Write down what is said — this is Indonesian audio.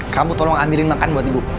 kamu tolong ambilin makan buat ibu